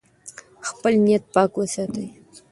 خپل نیت پاک وساتئ.